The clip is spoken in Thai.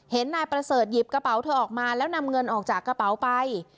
นายประเสริฐหยิบกระเป๋าเธอออกมาแล้วนำเงินออกจากกระเป๋าไป